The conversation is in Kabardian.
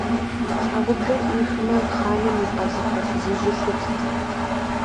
Щхьэгъубжэр Ӏуихмэ, хъаным и къазыхъуэ фызыжьыр щытт.